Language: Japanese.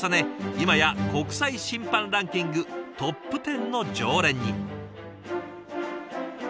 今や国際審判ランキングトップテンの常連に。